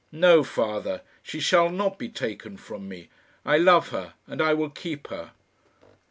No. father; she shall not be taken from me. I love her, and I will keep her."